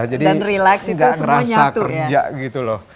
jadi gak ngerasa kerja gitu loh